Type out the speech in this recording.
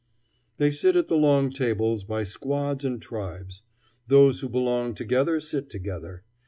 They sit at the long tables by squads and tribes. Those who belong together sit together.